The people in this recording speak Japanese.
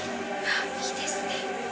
いいですね。